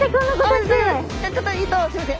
ちょっと糸をすいません。